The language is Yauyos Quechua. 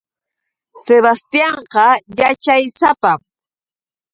Sebastianqa yaćhaysapam.